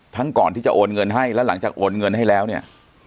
ก่อนที่จะโอนเงินให้แล้วหลังจากโอนเงินให้แล้วเนี่ย